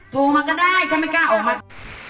โทรมาก็ได้ถ้าไม่กล้าออกมา